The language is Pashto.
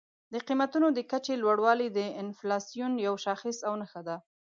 د قیمتونو د کچې لوړوالی د انفلاسیون یو شاخص او نښه ده.